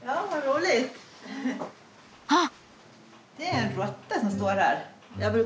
あっ！